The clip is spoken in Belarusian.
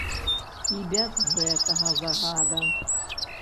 І без гэтага загада.